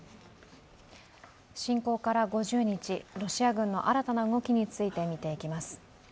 侵攻から５０日、ロシア軍の新たな動きについて見ていきます。